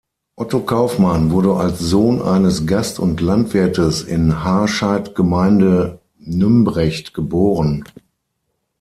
Otto Kaufmann wurde als Sohn eines Gast- und Landwirtes in Harscheid Gemeinde Nümbrecht geboren.